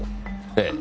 ええ。